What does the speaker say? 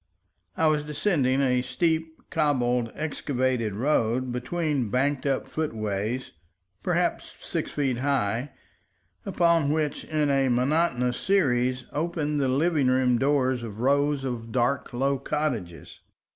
I was descending a steep, cobbled, excavated road between banked up footways, perhaps six feet high, upon which, in a monotonous series, opened the living room doors of rows of dark, low cottages.